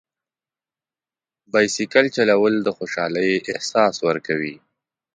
بایسکل چلول د خوشحالۍ احساس ورکوي.